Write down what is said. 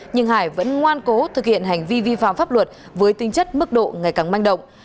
nhưng hải vẫn ngoan cố thực hiện hành vi vi phạm pháp luật với tinh chất mức độ ngày càng manh động